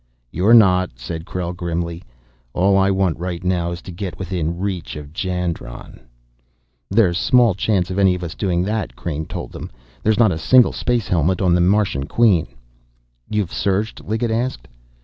"You're not," said Krell grimly. "All I want right now is to get within reach of Jandron." "There's small chance of any of us doing that," Crain told them. "There's not a single space helmet on the Martian Queen." "You've searched?" Liggett asked.